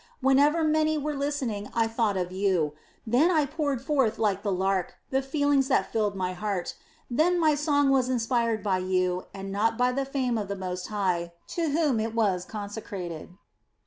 Whenever many were listening I thought of you then I poured forth like the lark the feelings that filled my heart, then my song was inspired by you and not by the fame of the Most High, to whom it was consecrated."